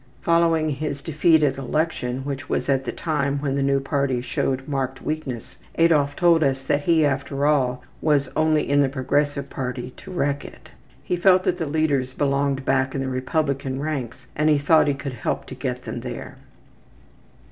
Following his defeat at election, which was at the time when the new party showed marked weakness, Adolf told us that he, after all, was only in the Progressive Party to wreck it. He felt that the leaders belonged back in the Republican ranks, and he thought he could help to get them there.